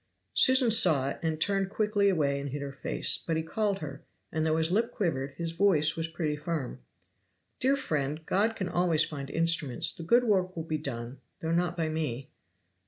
Susan saw it, and turned quickly away and hid her face; but he called her, and though his lip quivered his voice was pretty firm. "Dear friend, God can always find instruments. The good work will be done, though not by me."